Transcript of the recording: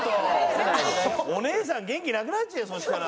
お姉さん元気なくなっちゃうよそしたら。